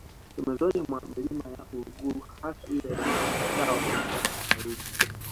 Pembezoni mwa Milima ya Uluguru hasa ile ya Tao la Mashariki